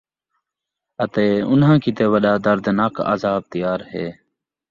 اَتے اُنھاں کِیتے وَݙا دَرد ناک عذاب تیار ہے